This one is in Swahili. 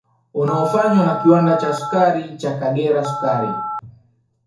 Unaofanywa na kiwanda cha sukari cha Kagera sukari